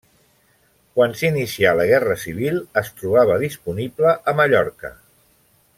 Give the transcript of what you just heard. Quan s'inicià la Guerra Civil es trobava disponible a Mallorca.